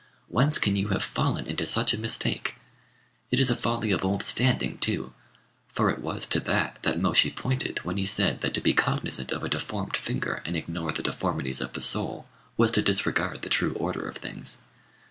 Whence can you have fallen into such a mistake? It is a folly of old standing too, for it was to that that Môshi pointed when he said that to be cognizant of a deformed finger and ignore the deformities of the soul was to disregard the true order of things.